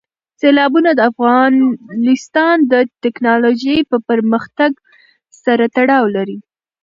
سیلابونه د افغانستان د تکنالوژۍ پرمختګ سره تړاو لري.